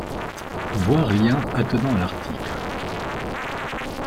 Voir lien attenant à l'article.